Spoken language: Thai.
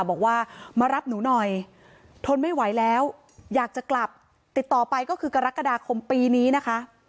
บอกว่ามารับหนูหน่อยทนไม่ไหวแล้วอยากจะกลับติดต่อไปก็คือกรกฎาคมปีนี้นะคะ